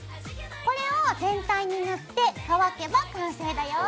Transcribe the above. これを全体に塗って乾けば完成だよ。